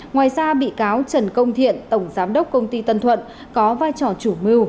ngoài ra bị cáo trần công thiện tổng giám đốc công ty tân thuận có vai trò chủ mưu